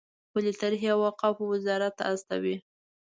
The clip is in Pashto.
خپلې طرحې اوقافو وزارت ته استوي.